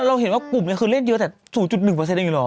เราเห็นว่ากลุ่มนี้คือเล่นเยอะแต่๐๑เองเหรอ